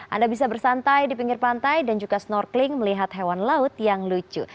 anda bisa bersantai di pinggir pantai dan juga snorkeling melihat hewan laut yang lucu